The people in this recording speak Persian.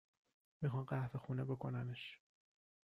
میخان قهوه خونه بکننش